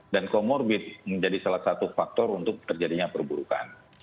dan komorbid menjadi salah satu faktor untuk terjadinya perburukan